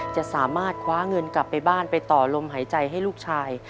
จะสามารถคว้าเงินกลับไปบ้านไปต่อลมหายใจให้ลูกชาย